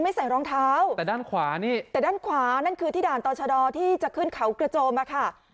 ใส่รองเท้าแต่ด้านขวานี่แต่ด้านขวานั่นคือที่ด่านต่อชะดอที่จะขึ้นเขากระโจมอะค่ะ